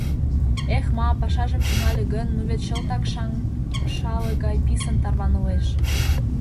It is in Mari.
Эх ма, пашажым тӱҥале гын, ну вет чылтак шыҥшале гай писын тарванылеш.